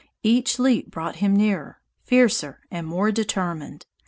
Each leap brought him nearer, fiercer and more determined.